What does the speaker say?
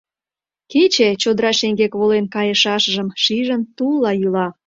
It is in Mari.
Кече, чодыра шеҥгек волен кайышашыжым шижын, тулла йӱла.